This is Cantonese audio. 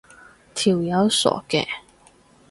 條友傻嘅